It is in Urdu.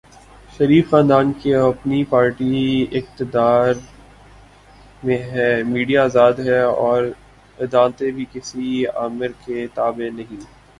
شریف خاندان کی اپنی پارٹی اقتدار میں ہے، میڈیا آزاد ہے اور عدالتیں بھی کسی آمر کے تابع نہیں۔